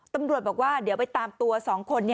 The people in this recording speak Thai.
ตำรวจบอกว่าเดี๋ยวไปตามตัว๒คน